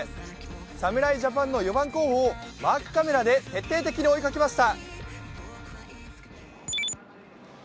侍ジャパンの４番候補をマークカメラで徹底的に追いかけました。